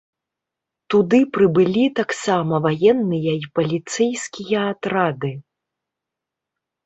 Туды прыбылі таксама ваенныя і паліцэйскія атрады.